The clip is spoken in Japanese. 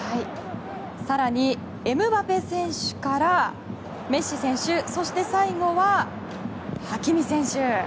更に、エムバペ選手からメッシ選手そして最後はハキミ選手。